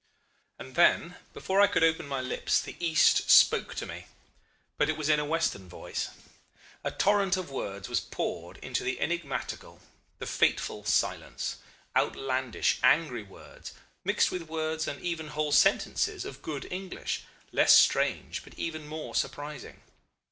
"And then, before I could open my lips, the East spoke to me, but it was in a Western voice. A torrent of words was poured into the enigmatical, the fateful silence; outlandish, angry words, mixed with words and even whole sentences of good English, less strange but even more surprising.